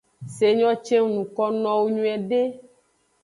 Se nyo ce ng nuko nowo nyuiede.